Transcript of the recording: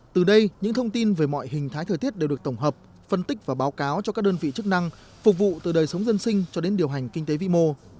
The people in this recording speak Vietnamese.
từ đây những thông tin về mọi hình thái thời tiết đều được tổng hợp phân tích và báo cáo cho các đơn vị chức năng phục vụ từ đời sống dân sinh cho đến điều hành kinh tế vĩ mô